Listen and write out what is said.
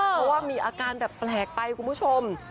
เพราะว่ามีอาการแบบแปลกไปคุณผู้ชม